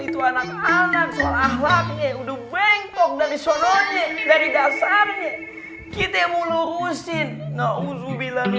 itu anak anak soal ahlaknya udah bengkok dari saudaranya dari dasarnya kita mau lurusin na'udzubillah